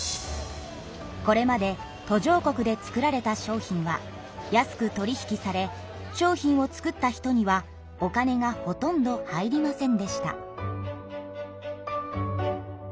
これまで途上国で作られた商品は安く取り引きされ商品を作った人にはお金がほとんど入りませんでした。